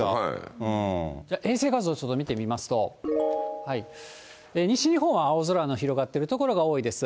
衛星画像をちょっと見てみますと、西日本は青空の広がっている所が多いです。